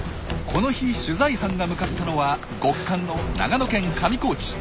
この日取材班が向かったのは極寒の長野県上高地。